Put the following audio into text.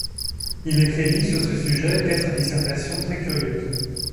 Il écrivit sur ce sujet quatre dissertations très curieuses.